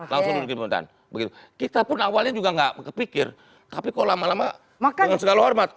langsung di pemerintahan begitu kita pun awalnya juga enggak kepikir tapi kok lama lama dengan segala hormat